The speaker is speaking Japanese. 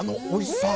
おいしい！